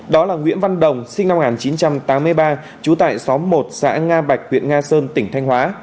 đó là nguyễn văn đồng sinh năm một nghìn chín trăm tám mươi ba trú tại xóm một xã nga bạch huyện nga sơn tỉnh thanh hóa